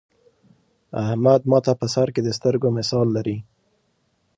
احمد ماته په سر کې د سترگو مثال لري.